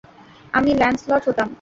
আমি ল্যান্সলট হতাম!